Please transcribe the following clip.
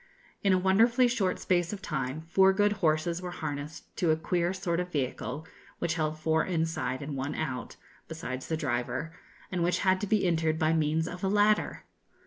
In a wonderfully short space of time, four good horses were harnessed to a queer sort of vehicle, which held four inside and one out, besides the driver, and which had to be entered by means of a ladder.